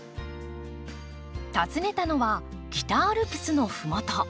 訪ねたのは北アルプスの麓。